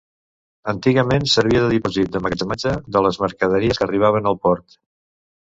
Antigament servia de dipòsit d'emmagatzematge de les mercaderies que arribaven al port.